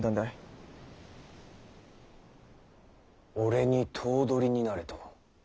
俺に頭取になれと？